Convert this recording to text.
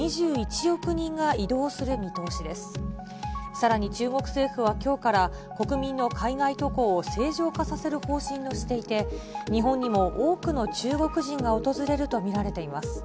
さらに中国政府はきょうから、国民の海外渡航を正常化させる方針にしていて、日本にも多くの中国人が訪れると見られています。